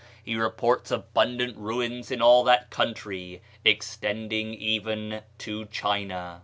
He reports abundant ruins in all that country, extending even to China.